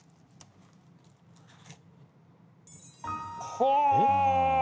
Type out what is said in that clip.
はあ！